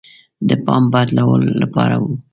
د پام بدلولو لپاره وه.